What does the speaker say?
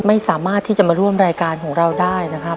ไม่สามารถที่จะมาร่วมรายการของเราได้นะครับ